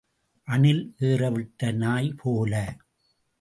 அணில் ஏற விட்ட நாய் போல.